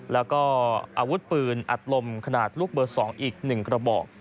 แล้วก็อาวุธปืนอัดลมขนาดลูกเบอร์๒อีก๑กระบอก